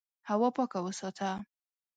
هوا پاکه وساته.